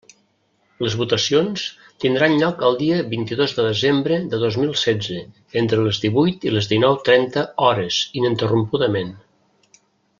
Les votacions tindran lloc el dia vint-i-dos de desembre de dos mil setze, entre les divuit i les dinou trenta hores, ininterrompudament.